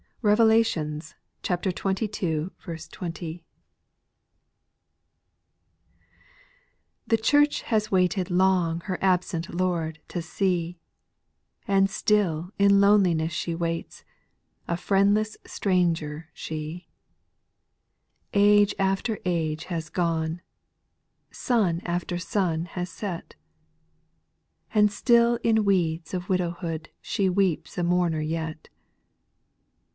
Eevelations xxii. 20. 1. rpHE church has waited long JL Her absent Lord to see ; And still in loneliness she waits, A friendless stranger she. Age after age has gone, Sun after sun has set, And still in weeds of widowhood She weeps a mourner yet.